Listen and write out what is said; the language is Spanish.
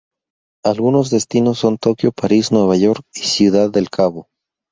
Algunos destinos son Tokio, París, Nueva York y Ciudad del Cabo.